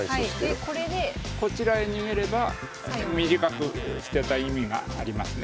こちらへ逃げれば短く捨てた意味がありますね。